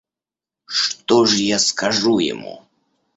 Что ж я скажу ему?